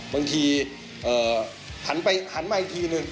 บางทีหันมาอีกทีหนึ่ง